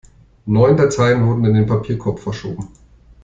Neun Dateien wurden in den Papierkorb verschoben.